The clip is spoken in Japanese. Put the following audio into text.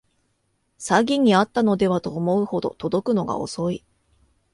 詐欺にあったのではと思うほど届くのが遅い